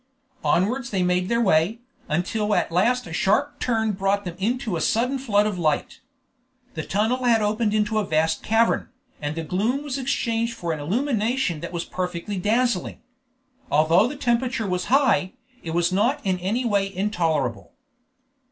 Onwards they made their way, until at last a sharp turn brought them into a sudden flood of light. The tunnel had opened into a vast cavern, and the gloom was exchanged for an illumination that was perfectly dazzling. Although the temperature was high, it was not in any way intolerable.